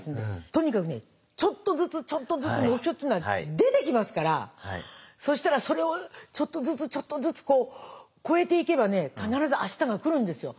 とにかくねちょっとずつちょっとずつ目標っていうのは出てきますからそしたらそれをちょっとずつちょっとずつこう超えていけばね必ず明日が来るんですよ。